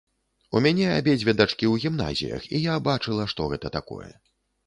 У мяне абедзве дачкі ў гімназіях, і я бачыла, што гэта такое.